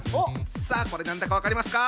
さあこれ何だか分かりますか？